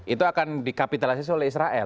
itu akan dikapitalisasi oleh israel